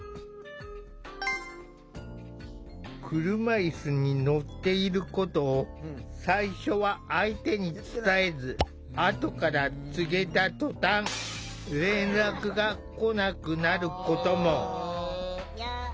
車いすに乗っていることを最初は相手に伝えずあとから告げたとたん連絡が来なくなることも。